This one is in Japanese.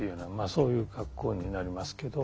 そういう格好になりますけど。